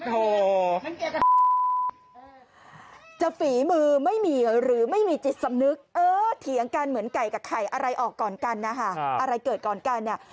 จะฝีมือไม่มีหรือไม่มีจิตสำนึกเออเถียงกันเหมือนไก่กับไข่อะไรออกก่อนกันนะคะอะไรเกิดก่อนกันเนี่ย